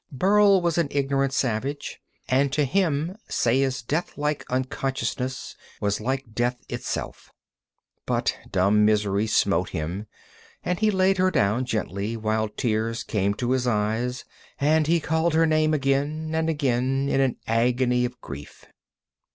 Burl was an ignorant savage, and to him Saya's deathlike unconsciousness was like death itself, but dumb misery smote him, and he laid her down gently, while tears came to his eyes and he called her name again and again in an agony of grief.